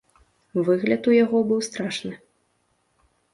Выгляд у яго быў страшны.